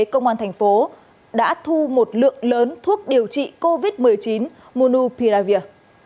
công an thành phố đã thu một lượng lớn thuốc điều trị covid một mươi chín monupiravir